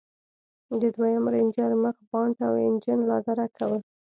د دويم رېنجر مخ بانټ او انجن لادرکه و.